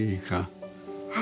はい。